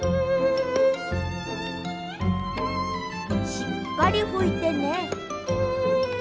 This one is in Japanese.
しっかりふいてね。